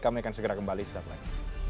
kami akan segera kembali setelah ini